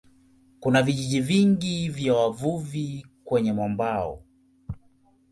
Kuna vijiji vingi vya wavuvi kwenye mwambao.